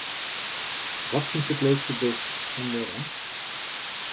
Wat fynst it leukste bist en wêrom?